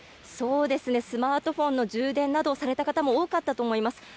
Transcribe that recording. そうですね、スマートフォンの充電などされた方も多かったと思います。